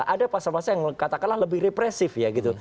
ada pasal pasal yang katakanlah lebih represif ya gitu